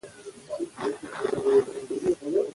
زه هیله لرم چې تاسو روغ او جوړ یاست.